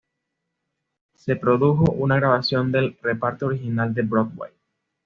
Se produjo una grabación del "reparto original de Broadway".